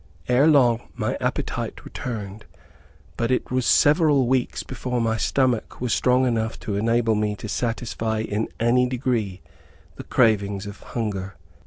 Ere long, my appetite returned, but it was several weeks before my stomach was strong enough to enable me to satisfy in any degree, the cravings of hunger.